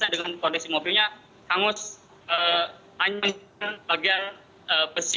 dengan kondisi mobilnya hangus an bagian besi